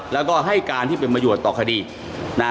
แล้วก็ให้การที่เป็นประโยชน์ต่อคดีนะ